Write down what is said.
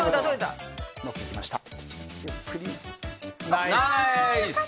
ナイス！